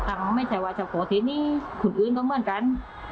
อังไม่ใช่ว่าจับโขทิศนี้ขุดอื่นก็เหมือนกัน